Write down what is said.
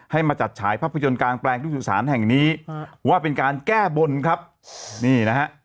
มาจัดฉายภาพยนตร์กลางแปลงทุกสื่อสารแห่งนี้ว่าเป็นการแก้บนครับนี่นะฮะ